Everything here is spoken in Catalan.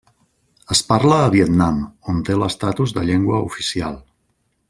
Es parla a Vietnam, on té l'estatus de llengua oficial.